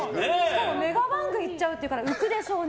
メガバンク行っちゃうって浮くでしょうね。